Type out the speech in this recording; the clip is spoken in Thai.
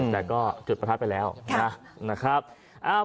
แต่ก็จุดประทัดไปแล้วนะครับ